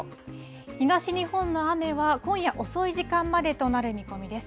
東日本の雨は今夜遅い時間までとなる見込みです。